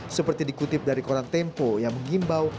seperti dikutip dari koran tempo yang mengimbau